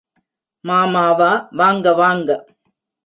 மாமாவா வாங்க வாங்க.